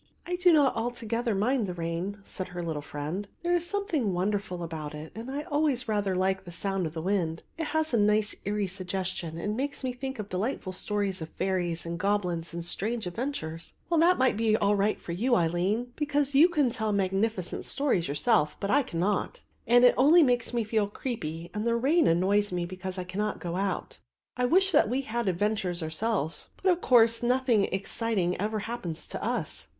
"I do not altogether mind the rain," said her little friend; "there is something wonderful about it and I always rather like the sound of the wind; it has a nice eerie suggestion, and makes me think of delightful stories of fairies and goblins and strange adventures." "Well, that may be all right for you, Aline, because you can tell magnificent stories yourself; but I cannot, and it only makes me feel creepy and the rain annoys me because I cannot go out. I wish that we had adventures ourselves, but of course nothing exciting ever happens to us."